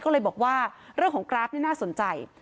ก็เลยบอกว่าเรื่องของกราฟนี่น่าสนใจ